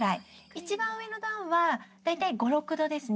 いちばん上の段は大体５、６度ですね。